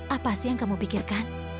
apa sih yang kamu pikirkan